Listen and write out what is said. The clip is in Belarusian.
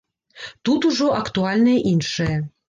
Тут ужо актуальнае іншае.